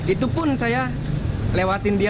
itu pun saya lewatin dia